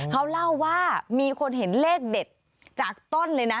เขาเล่าว่ามีคนเห็นเลขเด็ดจากต้นเลยนะ